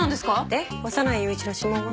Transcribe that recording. で小山内雄一の指紋は？